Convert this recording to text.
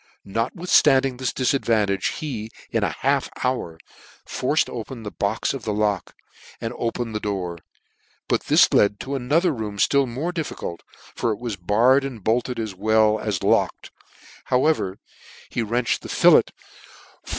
Notwith ftanding this difadvantage, he, in half an hour, forced open the box oi the lock, and opened the door ; but this led him to another room ftill more difficult, for it was barred and bolted as well as locked however, he wrenched the fillet from VOL, I.